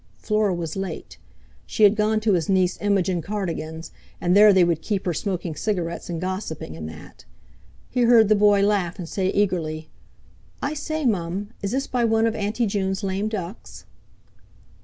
Fleur was late. She had gone to his niece Imogen Cardigan's, and there they would keep her smoking cigarettes and gossiping, and that. He heard the boy laugh, and say eagerly: "I say, Mum, is this by one of Auntie June's lame ducks?"